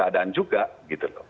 dan juga gitu loh